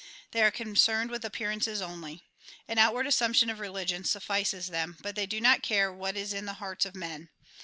They are concerned with appearances only. An outward assumption of religion suffices them, but they do not care what is in the hearts of men.